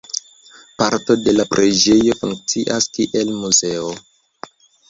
Parto de la preĝejo funkcias kiel muzeo.